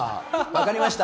分かりました。